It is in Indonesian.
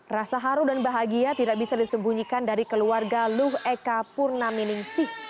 rasa haru dan bahagia tidak bisa disembunyikan dari keluarga luh eka purnaminingsih